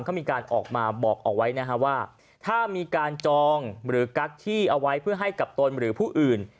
เขามีการออกมาบอกเอาไว้นะฮะว่าถ้ามีการจองหรือกั๊กที่เอาไว้เพื่อให้กับตนหรือผู้อื่น